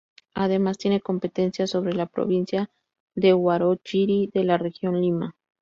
Además tiene competencia sobre la provincia de Huarochirí de la Región Lima.